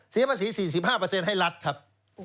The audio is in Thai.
เสียภาษี๔๕ให้รัฐครับ